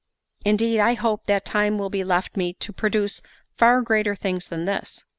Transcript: Indeed, I hope that time will be left me to produce far greater things than this."